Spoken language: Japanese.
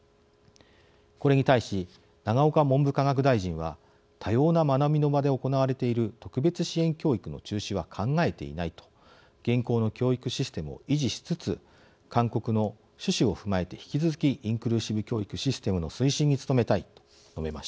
これに対し永岡文部科学大臣は「多様な学びの場で行われている特別支援教育の中止は考えていない」と現行の教育システムを維持しつつ「勧告の趣旨を踏まえて引き続きインクルーシブ教育システムの推進に努めたい」と述べました。